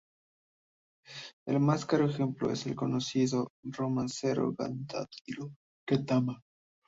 El más claro ejemplo es el conocido romancero gaditano "Ketama".